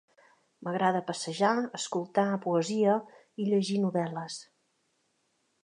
M'agrada passejar, escoltar poesia i llegir novel·les.